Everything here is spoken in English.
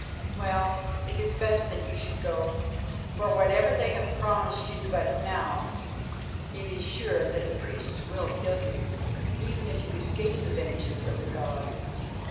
Well, it is best that you should go, for whatever they have promised you but now, it is sure that the priests will kill you, even if you escape the vengeance of the god."